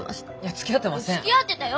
つきあってたよ！